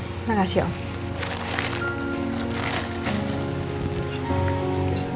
terima kasih om